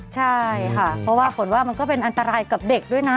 ใช่ค่ะเพราะว่าฝนว่ามันก็เป็นอันตรายกับเด็กด้วยนะ